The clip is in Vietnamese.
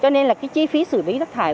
cho nên là cái chi phí xử lý rác thải